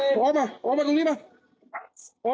โอ้มาออกมาตรงนี้มาออกมาแล้อนี่มีถลังที่ต้อง